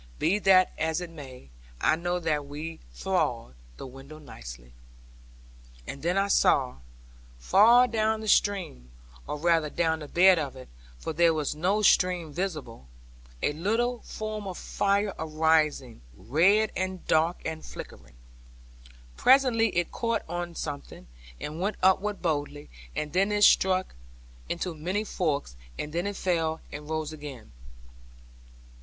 Be that as it may, I know that we thawed the window nicely. And then I saw, far down the stream (or rather down the bed of it, for there was no stream visible), a little form of fire arising, red, and dark, and flickering. Presently it caught on something, and went upward boldly; and then it struck into many forks, and then it fell, and rose again.